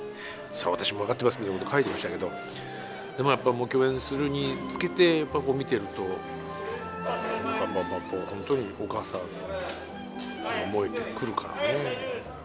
私も分かってますみたいなことを書いてましたけど、でもやっぱり、共演するにつけて、やっぱりこう見てると、本当にお母さんに思えてくるからね。